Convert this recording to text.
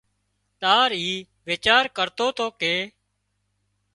تار اي ويچار ڪرتو تو ڪي